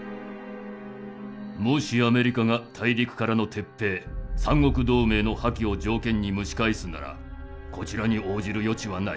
もしアメリカが「大陸からの撤兵三国同盟の破棄」を条件に蒸し返すならこちらに応じる余地はない。